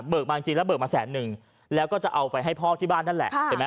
มาจริงแล้วเบิกมาแสนหนึ่งแล้วก็จะเอาไปให้พ่อที่บ้านนั่นแหละ